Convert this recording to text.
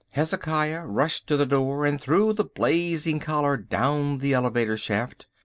Hezekiah rushed to the door and threw the blazing collar down the elevator shaft.